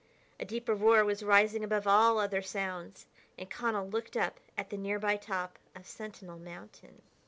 A deeper roar was rising above all other sounds, and Connell looked up at the nearby top of Sentinel Mountain.